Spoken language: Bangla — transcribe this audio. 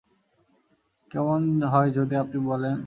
কেমন হয় যদি আপনি বলেন?